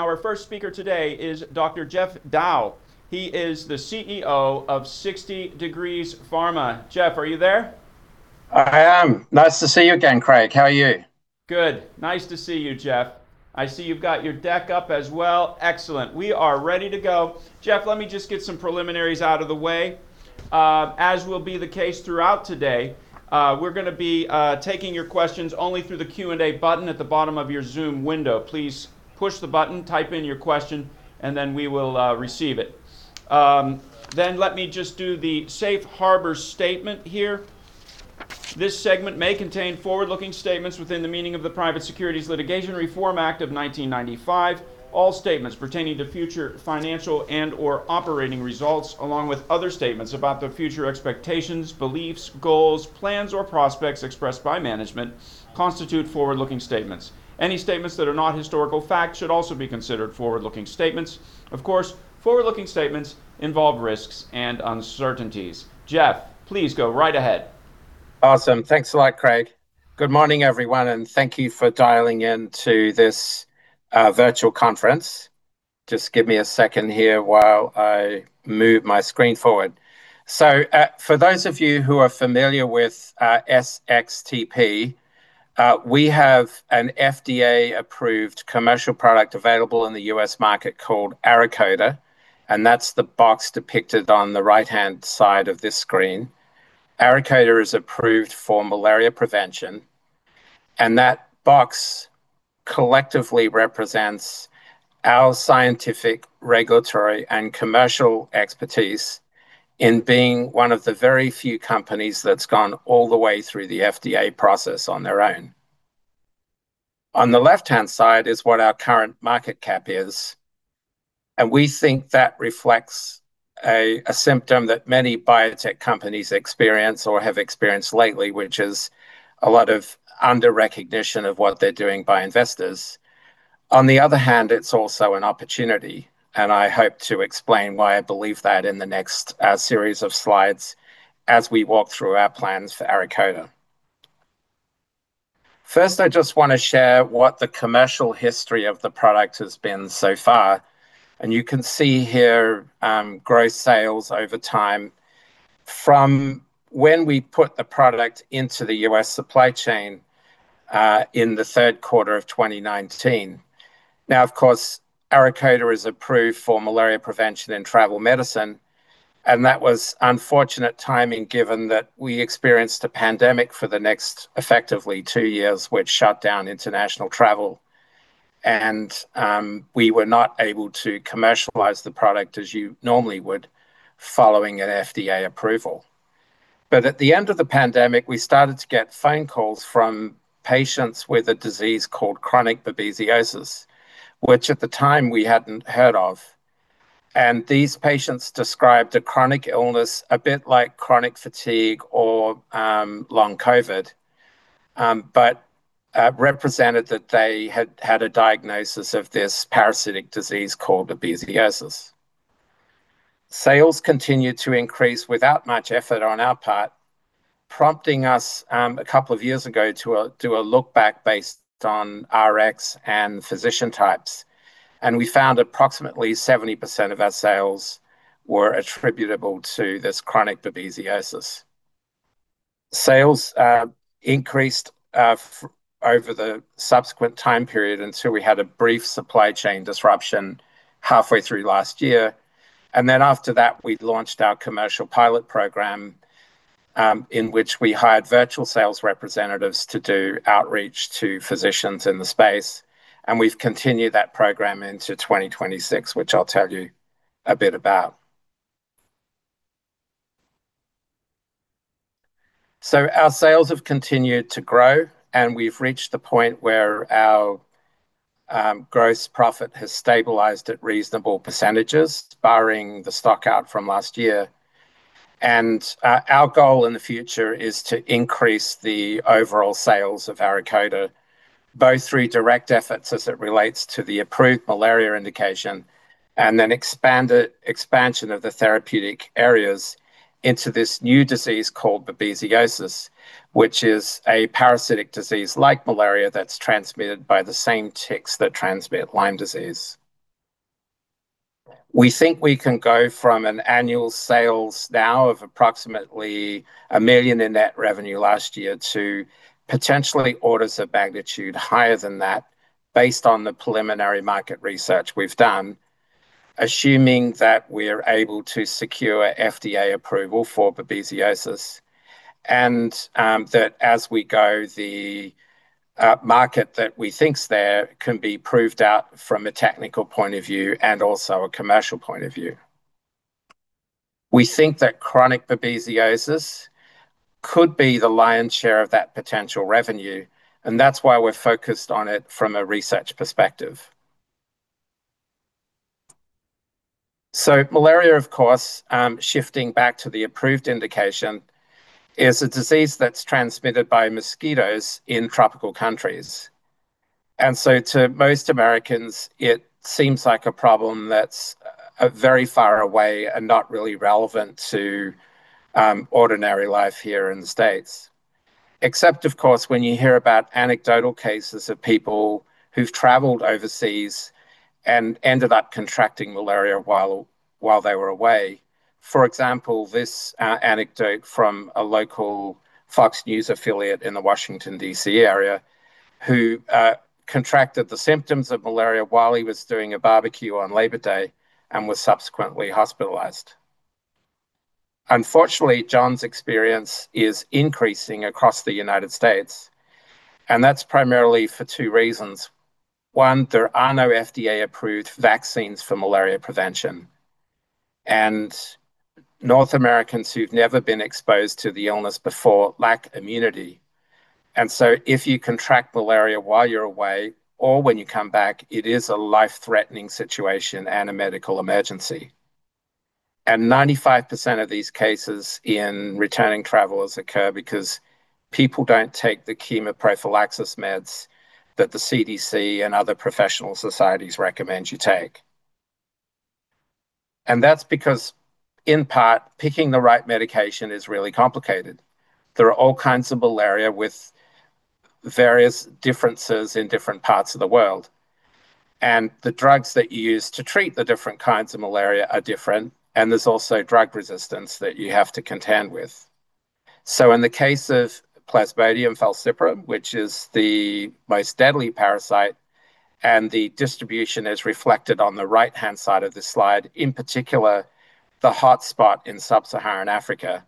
Our first speaker today is Dr. Geoffrey Dow. He is the CEO of 60 Degrees Pharmaceuticals. Jeff, are you there? I am. Nice to see you again, Craig. How are you? Good. Nice to see you, Jeff. I see you've got your deck up as well. Excellent. We are ready to go. Jeff, let me just get some preliminaries out of the way. As will be the case throughout today, we're going to be taking your questions only through the Q&A button at the bottom of your Zoom window. Please push the button, type in your question, and then we will receive it. Let me just do the safe harbor statement here. This segment may contain forward-looking statements within the meaning of the Private Securities Litigation Reform Act of 1995. All statements pertaining to future financial and/or operating results, along with other statements about the future expectations, beliefs, goals, plans, or prospects expressed by management, constitute forward-looking statements. Any statements that are not historical facts should also be considered forward-looking statements. Of course, forward-looking statements involve risks and uncertainties. Jeff, please go right ahead. Awesome. Thanks a lot, Craig. Good morning, everyone, and thank you for dialing in to this virtual conference. Just give me a second here while I move my screen forward. For those of you who are familiar with SXTP, we have an FDA-approved commercial product available in the U.S. market called ARAKODA, and that's the box depicted on the right-hand side of this screen. ARAKODA is approved for malaria prevention, and that box collectively represents our scientific, regulatory, and commercial expertise in being one of the very few companies that's gone all the way through the FDA process on their own. On the left-hand side is what our current market cap is, and we think that reflects a symptom that many biotech companies experience or have experienced lately, which is a lot of under-recognition of what they're doing by investors. On the other hand, it's also an opportunity, and I hope to explain why I believe that in the next series of slides as we walk through our plans for ARAKODA. First, I just want to share what the commercial history of the product has been so far, and you can see here gross sales over time from when we put the product into the U.S. supply chain in the Q3 of 2019. Now, of course, ARAKODA is approved for malaria prevention and travel medicine, and that was unfortunate timing given that we experienced a pandemic for the next effectively two years, which shut down international travel. We were not able to commercialize the product as you normally would following an FDA approval. At the end of the pandemic, we started to get phone calls from patients with a disease called chronic babesiosis, which at the time we hadn't heard of. These patients described a chronic illness a bit like chronic fatigue or Long COVID, but represented that they had had a diagnosis of this parasitic disease called babesiosis. Sales continued to increase without much effort on our part, prompting us a couple of years ago to do a look back based on RX and physician types, and we found approximately 70% of our sales were attributable to this chronic babesiosis. Sales increased over the subsequent time period until we had a brief supply chain disruption halfway through last year. After that, we launched our commercial pilot program, in which we hired virtual sales representatives to do outreach to physicians in the space, and we've continued that program into 2026, which I'll tell you a bit about. Our sales have continued to grow, and we've reached the point where our gross profit has stabilized at reasonable percentages, barring the stock out from last year. Our goal in the future is to increase the overall sales of ARAKODA, both through direct efforts as it relates to the approved malaria indication and then expansion of the therapeutic areas into this new disease called babesiosis, which is a parasitic disease like malaria that's transmitted by the same ticks that transmit Lyme disease. We think we can go from annual sales now of approximately $1 million in net revenue last year to potentially orders of magnitude higher than that based on the preliminary market research we've done, assuming that we're able to secure FDA approval for babesiosis. That as we go, the market that we think is there can be proved out from a technical point of view and also a commercial point of view. We think that chronic babesiosis could be the lion's share of that potential revenue, and that's why we're focused on it from a research perspective. Malaria, of course, shifting back to the approved indication, is a disease that's transmitted by mosquitoes in tropical countries. To most Americans, it seems like a problem that's very far away and not really relevant to ordinary life here in the States. Except, of course, when you hear about anecdotal cases of people who've traveled overseas and ended up contracting malaria while they were away. For example, this anecdote from a local Fox News affiliate in the Washington, D.C. area, who contracted the symptoms of malaria while he was doing a barbecue on Labor Day and was subsequently hospitalized. Unfortunately, John's experience is increasing across the United States, and that's primarily for two reasons. One, there are no FDA-approved vaccines for malaria prevention. North Americans who've never been exposed to the illness before lack immunity. If you contract malaria while you're away or when you come back, it is a life-threatening situation and a medical emergency. 95% of these cases in returning travelers occur because people don't take the chemoprophylaxis meds that the CDC and other professional societies recommend you take. That's because, in part, picking the right medication is really complicated. There are all kinds of malaria with various differences in different parts of the world. The drugs that you use to treat the different kinds of malaria are different, and there's also drug resistance that you have to contend with. In the case of Plasmodium falciparum, which is the most deadly parasite, and the distribution is reflected on the right-hand side of the slide, in particular, the hotspot in sub-Saharan Africa.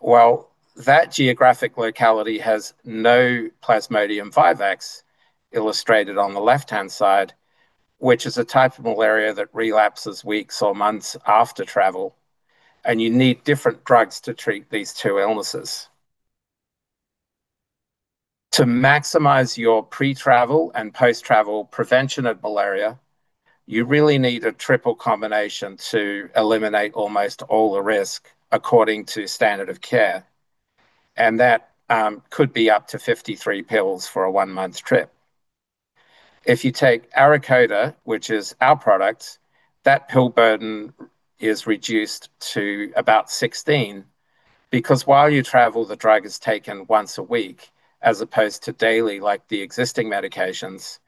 Well, that geographic locality has no Plasmodium vivax, illustrated on the left-hand side, which is a type of malaria that relapses weeks or months after travel, and you need different drugs to treat these two illnesses. To maximize your pre-travel and post-travel prevention of malaria, you really need a triple combination to eliminate almost all the risk, according to standard of care, and that could be up to 53 pills for a one-month trip. If you take ARAKODA, which is our product, that pill burden is reduced to about 16, because while you travel, the drug is taken once a week as opposed to daily, like the existing medications.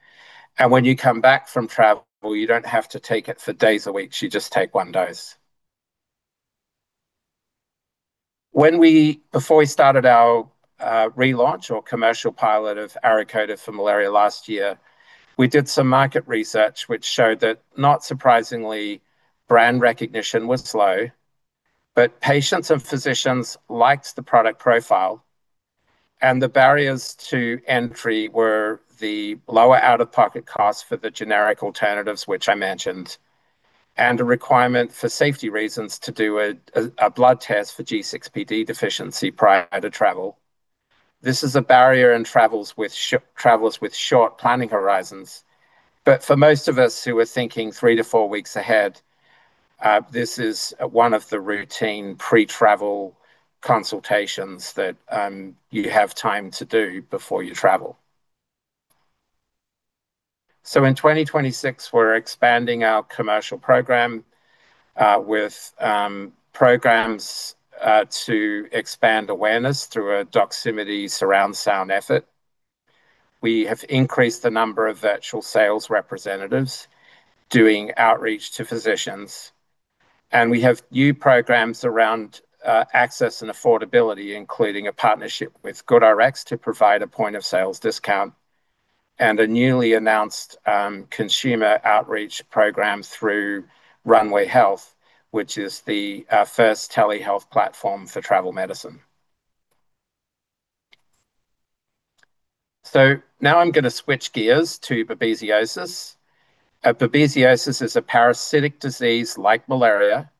When you come back from travel, you don't have to take it for days or weeks, you just take one dose. Before we started our relaunch or commercial pilot of ARAKODA for malaria last year, we did some market research which showed that, not surprisingly, brand recognition was slow, but patients and physicians liked the product profile. The barriers to entry were the lower out-of-pocket cost for the generic alternatives, which I mentioned, and a requirement for safety reasons to do a blood test for G6PD deficiency prior to travel. This is a barrier in travels with short planning horizons. For most of us who are thinking three-four weeks ahead, this is one of the routine pre-travel consultations that you have time to do before you travel. In 2026, we're expanding our commercial program, with programs to expand awareness through a Doximity surround sound effort. We have increased the number of virtual sales representatives doing outreach to physicians, and we have new programs around access and affordability, including a partnership with GoodRx to provide a point-of-sales discount, and a newly announced consumer outreach program through Runway Health, which is the first telehealth platform for travel medicine. Now I'm going to switch gears to babesiosis. Babesiosis is a parasitic disease like malaria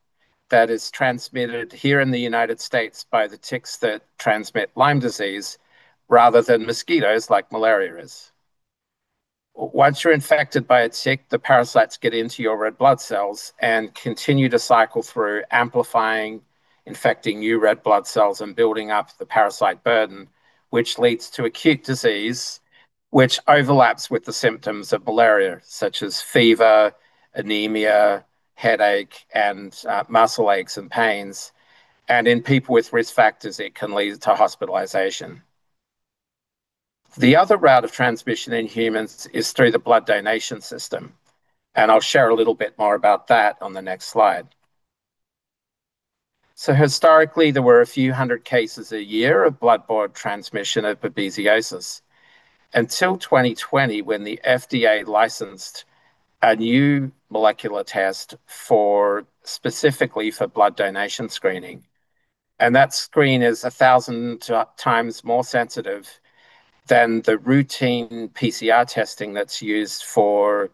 that is transmitted here in the United States by the ticks that transmit Lyme disease rather than mosquitoes like malaria is. Once you're infected by a tick, the parasites get into your red blood cells and continue to cycle through amplifying, infecting new red blood cells, and building up the parasite burden, which leads to acute disease, which overlaps with the symptoms of malaria, such as fever, anemia, headache, and muscle aches and pains. In people with risk factors, it can lead to hospitalization. The other route of transmission in humans is through the blood donation system, and I'll share a little bit more about that on the next slide. Historically, there were a few hundred cases a year of blood-borne transmission of babesiosis until 2020, when the FDA licensed a new molecular test specifically for blood donation screening. That screen is 1,000 times more sensitive than the routine PCR testing that's used for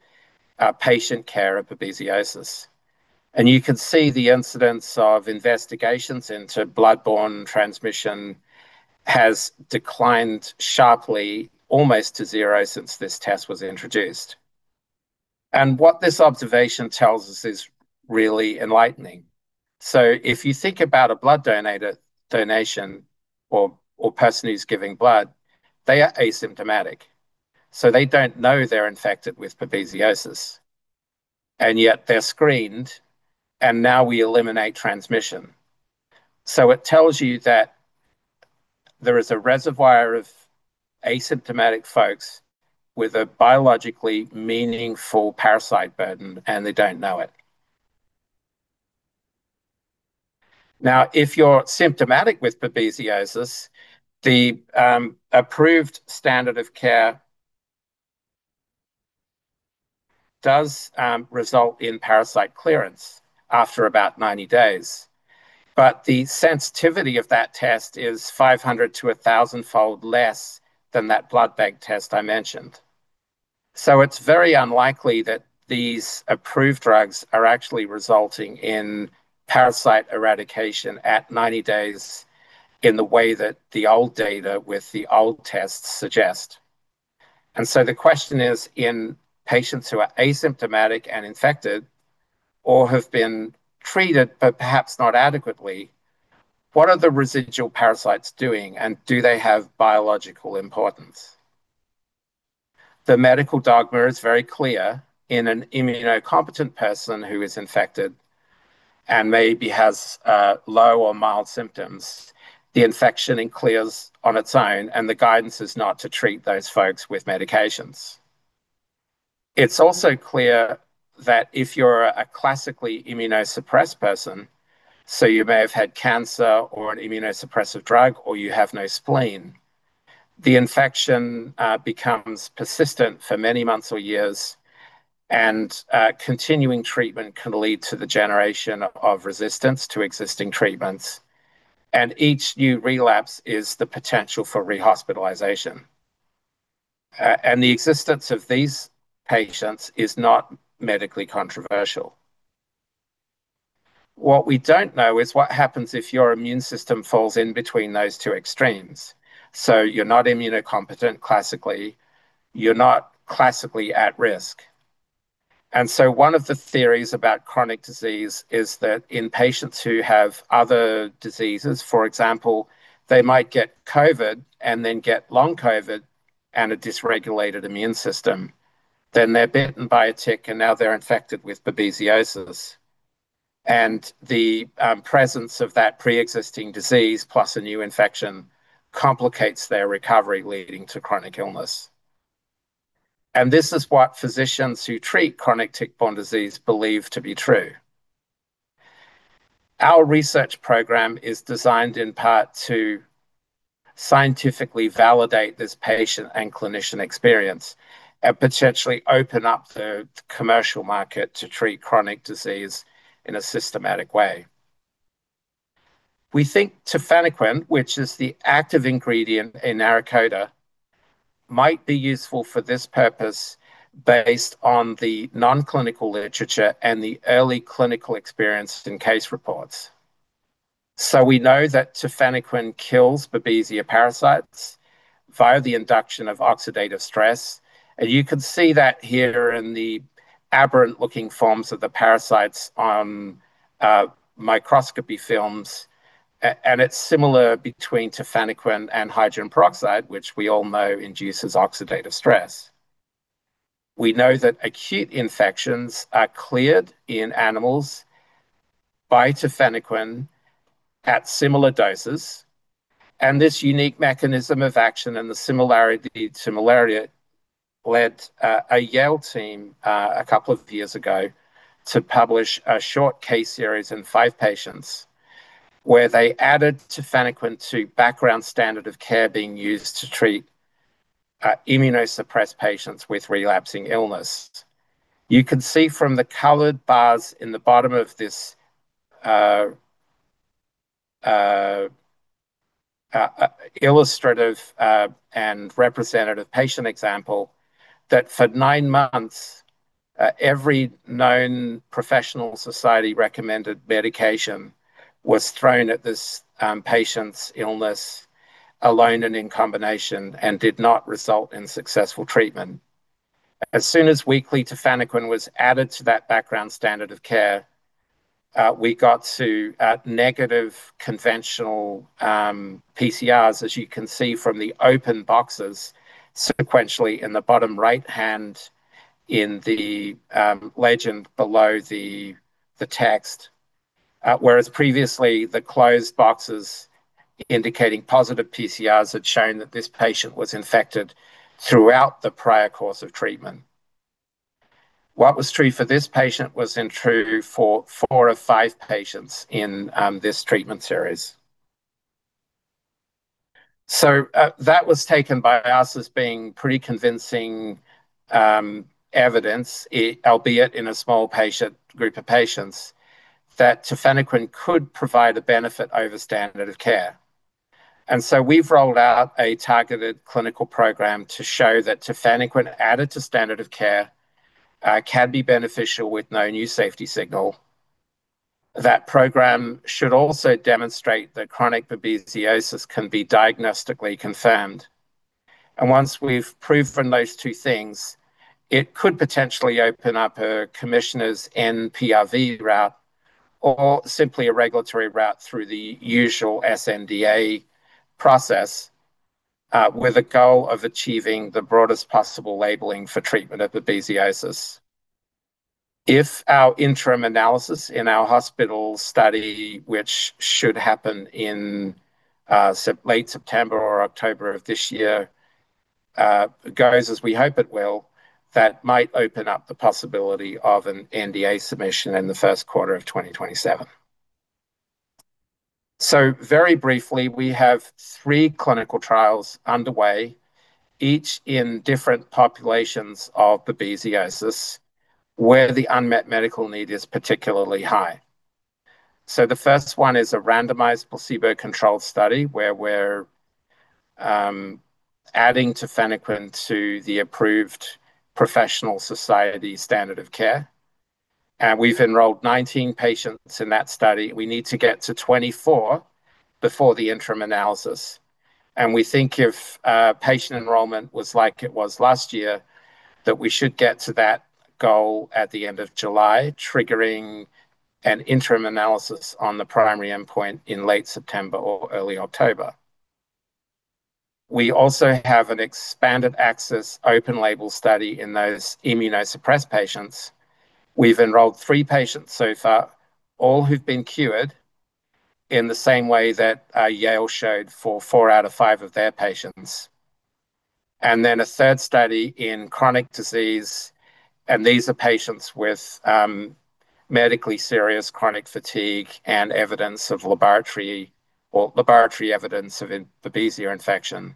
patient care of babesiosis. You can see the incidence of investigations into blood-borne transmission has declined sharply, almost to zero since this test was introduced. What this observation tells us is really enlightening. If you think about a blood donation or person who's giving blood, they are asymptomatic, so they don't know they're infected with babesiosis. Yet they're screened, and now we eliminate transmission. It tells you that there is a reservoir of asymptomatic folks with a biologically meaningful parasite burden, and they don't know it. Now, if you're symptomatic with babesiosis, the approved standard of care does result in parasite clearance after about 90 days. The sensitivity of that test is 500- to 1,000-fold less than that blood bag test I mentioned. It's very unlikely that these approved drugs are actually resulting in parasite eradication at 90 days in the way that the old data with the old tests suggest. The question is in patients who are asymptomatic and infected or have been treated but perhaps not adequately, what are the residual parasites doing, and do they have biological importance? The medical dogma is very clear. In an immunocompetent person who is infected and maybe has low or mild symptoms, the infection it clears on its own, and the guidance is not to treat those folks with medications. It's also clear that if you're a classically immunosuppressed person, so you may have had cancer or an immunosuppressive drug, or you have no spleen, the infection becomes persistent for many months or years, and continuing treatment can lead to the generation of resistance to existing treatments. Each new relapse is the potential for rehospitalization. The existence of these patients is not medically controversial. What we don't know is what happens if your immune system falls in between those two extremes. You're not immunocompetent classically, you're not classically at risk. One of the theories about chronic disease is that in patients who have other diseases, for example, they might get COVID and then get Long COVID and a dysregulated immune system, then they're bitten by a tick, and now they're infected with babesiosis. The presence of that preexisting disease, plus a new infection, complicates their recovery leading to chronic illness. This is what physicians who treat chronic tick-borne disease believe to be true. Our research program is designed in part to scientifically validate this patient and clinician experience and potentially open up the commercial market to treat chronic disease in a systematic way. We think tafenoquine, which is the active ingredient in ARAKODA, might be useful for this purpose based on the non-clinical literature and the early clinical experience in case reports. We know that tafenoquine kills Babesia parasites via the induction of oxidative stress, and you can see that here in the aberrant-looking forms of the parasites on microscopy films. It's similar between tafenoquine and hydrogen peroxide, which we all know induces oxidative stress. We know that acute infections are cleared in animals by tafenoquine at similar doses, and this unique mechanism of action and the similarity led a Yale team, a couple of years ago, to publish a short case series in five patients where they added tafenoquine to background standard of care being used to treat immunosuppressed patients with relapsing illness. You can see from the colored bars in the bottom of this illustrative and representative patient example that for nine months, every known professional society-recommended medication was thrown at this patient's illness alone and in combination and did not result in successful treatment. As soon as weekly tafenoquine was added to that background standard of care, we got to negative conventional PCRs, as you can see from the open boxes sequentially in the bottom right hand in the legend below the text. Whereas previously, the closed boxes indicating positive PCRs had shown that this patient was infected throughout the prior course of treatment. What was true for this patient was then true for four of five patients in this treatment series. That was taken by us as being pretty convincing evidence, albeit in a small group of patients, that tafenoquine could provide a benefit over standard of care. We've rolled out a targeted clinical program to show that tafenoquine added to standard of care can be beneficial with no new safety signal. That program should also demonstrate that chronic babesiosis can be diagnostically confirmed. Once we've proved from those two things, it could potentially open up a commissioner's CBER route or simply a regulatory route through the usual sNDA process. With a goal of achieving the broadest possible labeling for treatment of babesiosis. If our interim analysis in our hospital study, which should happen in late September or October of this year, goes as we hope it will, that might open up the possibility of an NDA submission in the Q1 of 2027. Very briefly, we have three clinical trials underway, each in different populations of babesiosis, where the unmet medical need is particularly high. The first one is a randomized placebo-controlled study where we're adding tafenoquine to the approved professional society standard of care. We've enrolled 19 patients in that study. We need to get to 24 before the interim analysis. We think if patient enrollment was like it was last year, that we should get to that goal at the end of July, triggering an interim analysis on the primary endpoint in late September or early October. We also have an expanded access open label study in those immunosuppressed patients. We've enrolled three patients so far, all who've been cured in the same way that Yale showed for four out of five of their patients. A third study in chronic disease, and these are patients with medically serious chronic fatigue and laboratory evidence of a Babesia infection.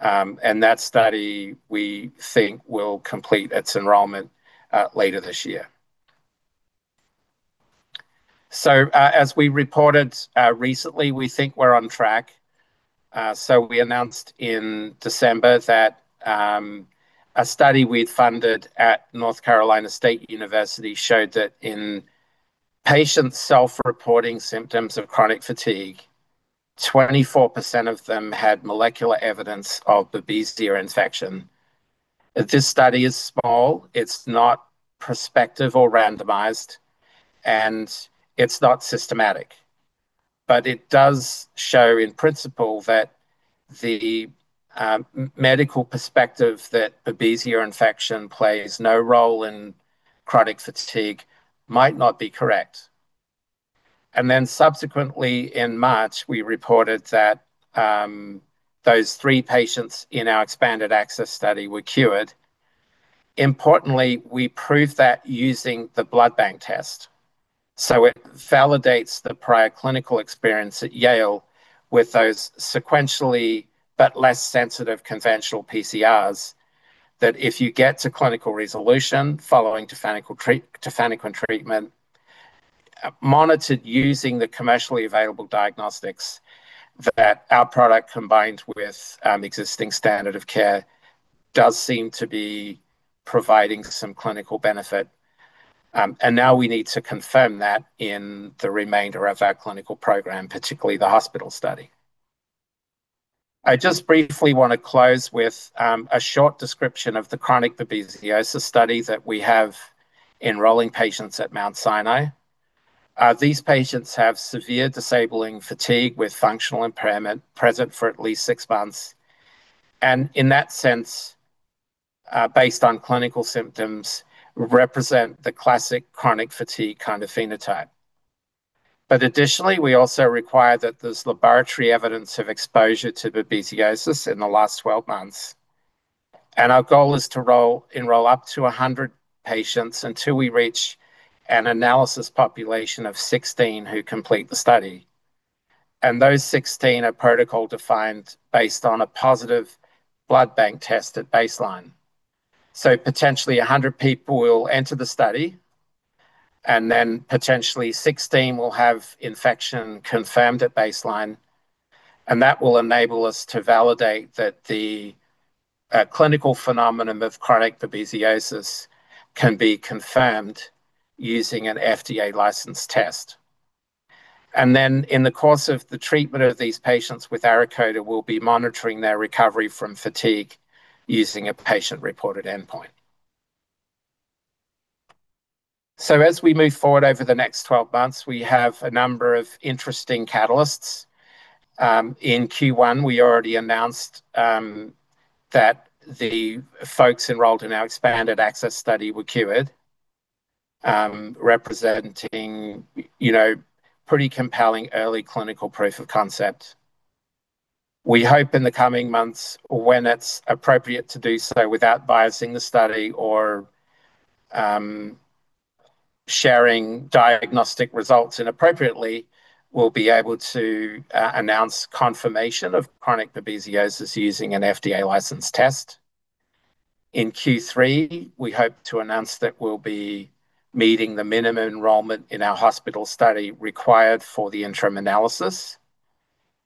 That study, we think, will complete its enrollment later this year. As we reported recently, we think we're on track. We announced in December that a study we'd funded at North Carolina State University showed that in patients self-reporting symptoms of chronic fatigue, 24% of them had molecular evidence of Babesia infection. This study is small. It's not prospective or randomized, and it's not systematic. It does show in principle that the medical perspective that Babesia infection plays no role in chronic fatigue might not be correct. Then subsequently in March, we reported that those three patients in our expanded access study were cured. Importantly, we proved that using the blood bank test. It validates the prior clinical experience at Yale with those sequentially but less sensitive conventional PCRs, that if you get to clinical resolution following tafenoquine treatment, monitored using the commercially available diagnostics, that our product combined with existing standard of care does seem to be providing some clinical benefit. Now we need to confirm that in the remainder of our clinical program, particularly the hospital study. I just briefly want to close with a short description of the chronic babesiosis study that we have enrolling patients at Mount Sinai. These patients have severe disabling fatigue with functional impairment present for at least six months, and in that sense, based on clinical symptoms, represent the classic chronic fatigue kind of phenotype. Additionally, we also require that there's laboratory evidence of exposure to babesiosis in the last 12 months. Our goal is to enroll up to 100 patients until we reach an analysis population of 16 who complete the study. Those 16 are protocol-defined based on a positive blood bank test at baseline. Potentially 100 people will enter the study, and then potentially 16 will have infection confirmed at baseline, and that will enable us to validate that the clinical phenomenon of chronic babesiosis can be confirmed using an FDA licensed test. In the course of the treatment of these patients with ARAKODA, we'll be monitoring their recovery from fatigue using a patient-reported endpoint. As we move forward over the next 12 months, we have a number of interesting catalysts. In Q1, we already announced that the folks enrolled in our expanded access study were cured, representing pretty compelling early clinical proof of concept. We hope in the coming months when it's appropriate to do so without biasing the study or sharing diagnostic results inappropriately, we'll be able to announce confirmation of chronic babesiosis using an FDA licensed test. In Q3, we hope to announce that we'll be meeting the minimum enrollment in our hospital study required for the interim analysis,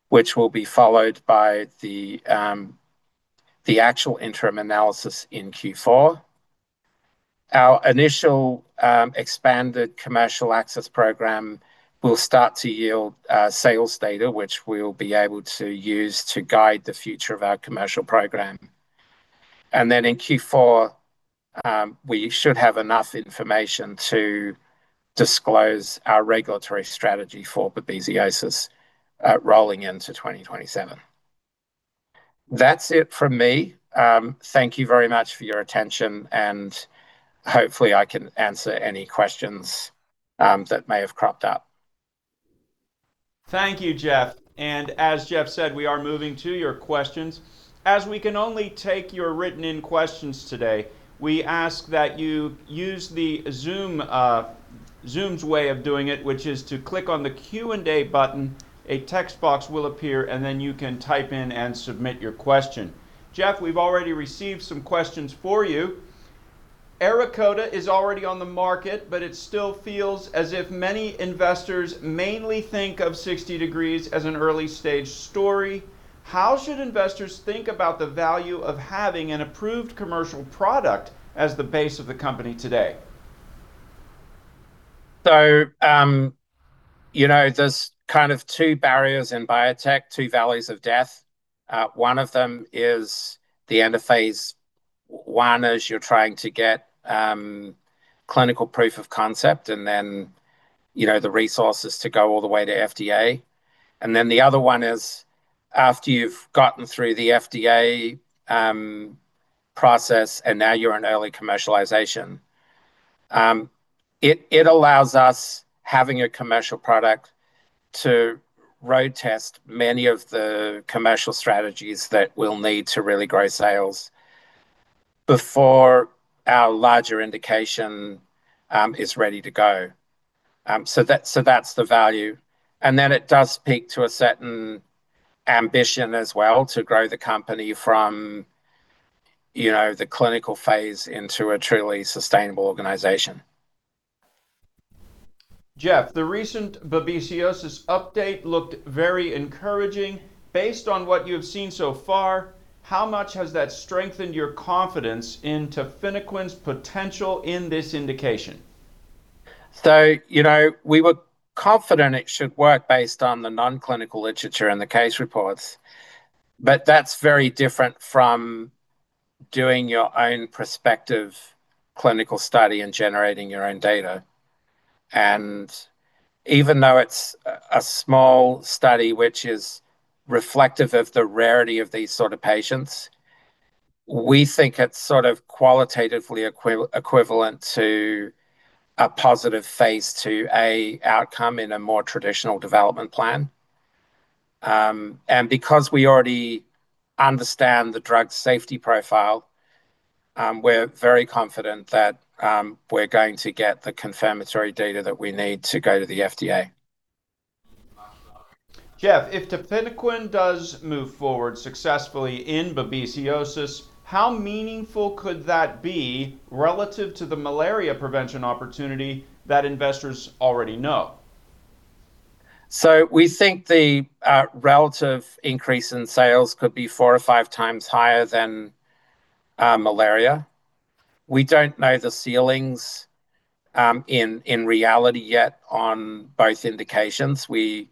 which will be followed by the actual interim analysis in Q4. Our initial expanded commercial access program will start to yield sales data, which we'll be able to use to guide the future of our commercial program. In Q4, we should have enough information to disclose our regulatory strategy for babesiosis rolling into 2027. That's it from me. Thank you very much for your attention, and hopefully I can answer any questions that may have cropped up. Thank you, Geoffrey. As Geoffrey said, we are moving to your questions. As we can only take your written-in questions today, we ask that you use Zoom's way of doing it, which is to click on the Q&A button, a text box will appear, and then you can type in and submit your question. Geoffrey, we've already received some questions for you. ARAKODA is already on the market, but it still feels as if many investors mainly think of 60 Degrees as an early-stage story. How should investors think about the value of having an approved commercial product as the base of the company today? There's kind of two barriers in biotech, two valleys of death. One of them is the end of phase I, as you're trying to get clinical proof of concept, and then the resources to go all the way to FDA. The other one is after you've gotten through the FDA process, and now you're in early commercialization. It allows us, having a commercial product, to road test many of the commercial strategies that we'll need to really grow sales before our larger indication is ready to go. That's the value. It does speak to a certain ambition as well to grow the company from the clinical phase into a truly sustainable organization. Jeff, the recent babesiosis update looked very encouraging. Based on what you've seen so far, how much has that strengthened your confidence in tafenoquine's potential in this indication? We were confident it should work based on the non-clinical literature and the case reports, but that's very different from doing your own prospective clinical study and generating your own data. Even though it's a small study, which is reflective of the rarity of these sort of patients, we think it's sort of qualitatively equivalent to a positive phase II outcome in a more traditional development plan. Because we already understand the drug safety profile, we're very confident that we're going to get the confirmatory data that we need to go to the FDA. Geoffrey, if tafenoquine does move forward successfully in babesiosis, how meaningful could that be relative to the malaria prevention opportunity that investors already know? We think the relative increase in sales could be 4x-5x higher than malaria. We don't know the ceilings, in reality yet on both indications. We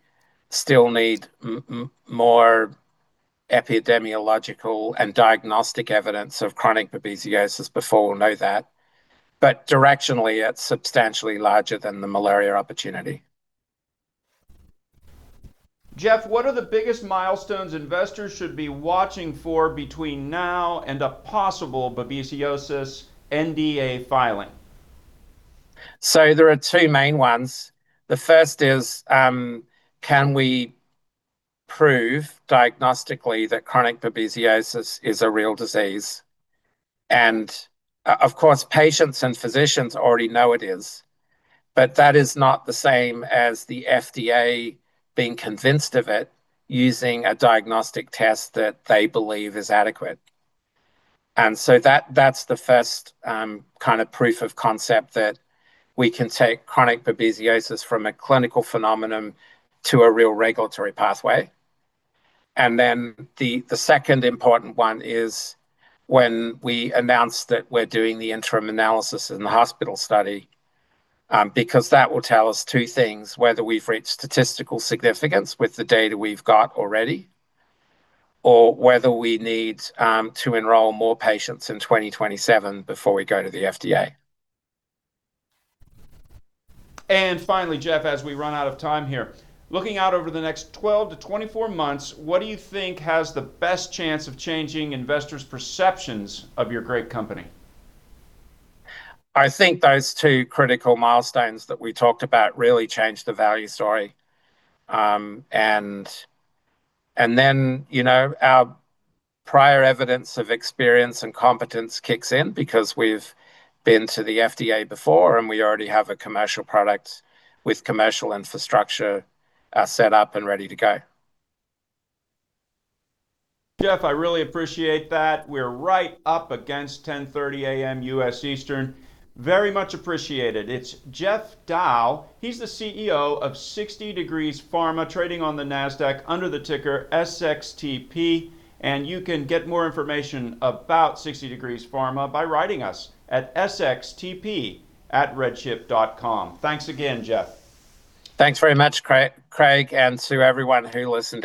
still need more epidemiological and diagnostic evidence of chronic babesiosis before we'll know that. Directionally, it's substantially larger than the malaria opportunity. Geoff, what are the biggest milestones investors should be watching for between now and a possible babesiosis NDA filing? There are two main ones. The first is, can we prove diagnostically that chronic babesiosis is a real disease? Of course, patients and physicians already know it is, but that is not the same as the FDA being convinced of it using a diagnostic test that they believe is adequate. That's the first kind of proof of concept that we can take chronic babesiosis from a clinical phenomenon to a real regulatory pathway. The second important one is when we announce that we're doing the interim analysis in the hospital study, because that will tell us two things, whether we've reached statistical significance with the data we've got already, or whether we need to enroll more patients in 2027 before we go to the FDA. Finally, Geoffrey, as we run out of time here, looking out over the next 12-24 months, what do you think has the best chance of changing investors' perceptions of your great company? I think those two critical milestones that we talked about really change the value story. Our prior evidence of experience and competence kicks in because we've been to the FDA before, and we already have a commercial product with commercial infrastructure set up and ready to go. Geoffrey, I really appreciate that. We're right up against 10:30 A.M. U.S. Eastern. Very much appreciated. It's Geoffrey Dow. He's the CEO of 60 Degrees Pharmaceuticals, trading on the Nasdaq under the ticker SXTP, and you can get more information about 60 Degrees Pharmaceuticals by writing us at sxtp@redchip. Thanks again, Geoffrey. Thanks very much, Craig, and to everyone who listened in.